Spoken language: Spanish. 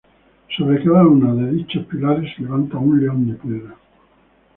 Sobre cada uno de dichos pilares se levanta un león de piedra.